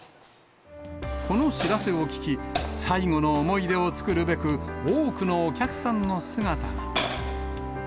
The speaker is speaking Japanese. この知らせを聞き、最後の思い出を作るべく、多くのお客さんの姿が。